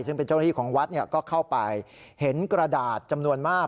ซึ่งเป็นเจ้าหน้าที่ของวัดก็เข้าไปเห็นกระดาษจำนวนมาก